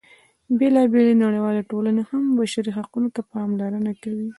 بېلا بېلې نړیوالې ټولنې هم بشري حقونو ته پاملرنه کوي.